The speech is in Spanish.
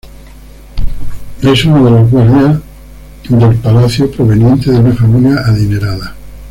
Es uno de los guardias del palacio, proveniente de una familia adinerada.